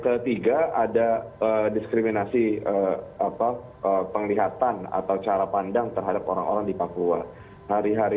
ketiga ada diskriminasi apa penglihatan atau cara pandang terhadap orang orang di papua hari hari